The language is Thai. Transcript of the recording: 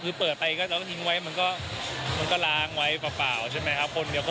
คือเปิดไปก็แล้วทิ้งไว้มันก็ล้างไว้เปล่าใช่ไหมครับ